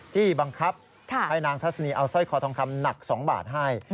จี้บังคับให้นางทัศนีเอาสร้อยคอทองคำหนัก๒บาทให้